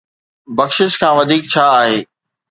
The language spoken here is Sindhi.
بخشش کان وڌيڪ ڇا آهي؟